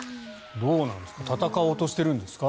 どうなんですか戦おうとしてるんですか？